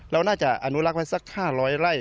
เราน่าจะอนุรักษ์ไว้สัก๕๐๐ไร่